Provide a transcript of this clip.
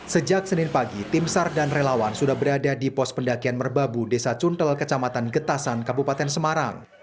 sejak senin pagi tim sar dan relawan sudah berada di pos pendakian merbabu desa cuntel kecamatan getasan kabupaten semarang